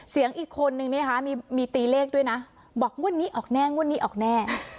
เสียงอีกคนนึงนะคะมีตีเลขด้วยนะบอกงวดนี้ออกแน่งวดนี้ออกแน่